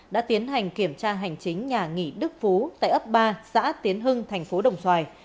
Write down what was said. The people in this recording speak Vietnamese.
đã tiến hành kiểm tra hành chính nhà nghỉ đức phú tại ấp ba xã tiến hưng thành phố đồng xoài